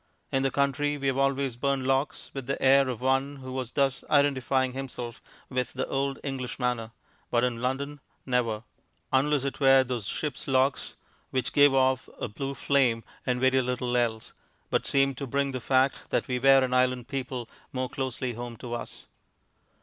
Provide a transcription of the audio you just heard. In the country we have always burnt logs, with the air of one who was thus identifying himself with the old English manner, but in London never unless it were those ship's logs, which gave off a blue flame and very little else, but seemed to bring the fact that we were an island people more closely home to us.